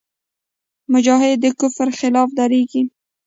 مجاهد د کفر خلاف درېږي.